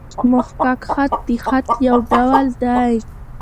محقق خط؛ د خط یو ډول دﺉ.